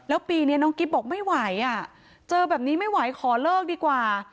แล้วปีนี้น้องกิ๊บบอกไม่ไหวอ่ะเจอแบบนี้ไม่ไหวขอเลิกดีกว่า